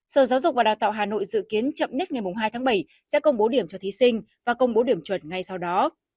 sở giáo dục và đào tạo hà nội dự kiến chậm nhất ngày hai tháng bảy sẽ công bố điểm cho thí sinh và công bố điểm chuẩn ngay sau đó